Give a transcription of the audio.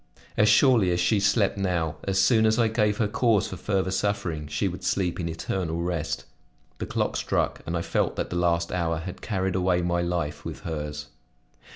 As surely as she slept now, as soon as I gave her cause for further suffering, she would sleep in eternal rest. The clock struck and I felt that the last hour had carried away my life with hers.